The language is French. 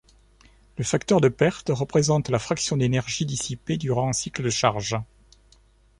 Le facteur de perte représente la fraction d'énergie dissipée durant un cycle de charge.